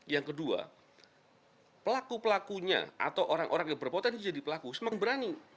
yang kedua pelaku pelakunya atau orang orang yang berpotensi jadi pelaku semakin berani